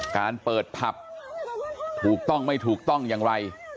การเปิดผับถูกต้องไม่ถูกต้องอย่างไร